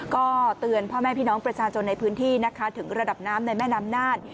ก็เตือนพ่อแม่พี่น้องประชาชนในพื้นที่นะคะถึงระดับน้ำในแม่น้ำน่าน